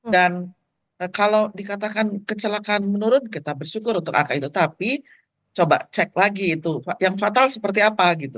dan kalau dikatakan kecelakaan menurun kita bersyukur untuk akal itu tapi coba cek lagi itu yang fatal seperti apa gitu